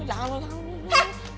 jangan mak jangan mak